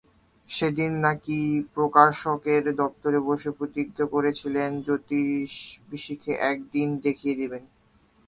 সে দিন নাকি প্রকাশকের দপ্তরে বসে প্রতিজ্ঞা করেছিলেন, জ্যোতিষ শিখে এক দিন দেখিয়ে দেবেন।